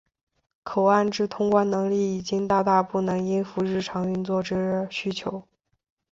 口岸之通关能力已经大大不能应付日常运作之需求。